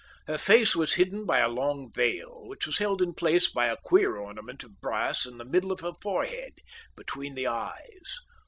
Her face was hidden by a long veil, which was held in place by a queer ornament of brass in the middle of the forehead, between the eyes.